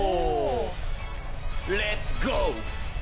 レッツゴー！